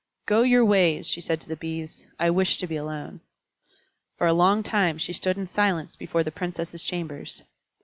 "Go your ways," she said to the Bees; "I wish to be alone." For a long time she stood in silence before the Princesses' chambers.